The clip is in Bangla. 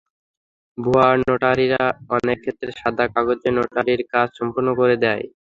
ভুয়া নোটারিরা অনেক ক্ষেত্রে সাদা কাগজে নোটারির কাজ সম্পন্ন করে দেয়।